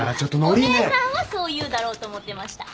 お姉さんはそう言うだろうと思ってました。